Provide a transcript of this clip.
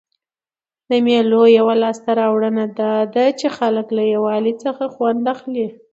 د مېلو یوه لاسته راوړنه دا ده، چي خلک له یووالي څخه خوند اخلي.